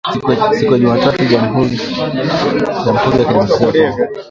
siku ya Jumatatu nchini Jamhuri ya Kidemokrasi ya Kongo